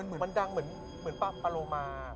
มันดังเหมือนปำโปะโลมา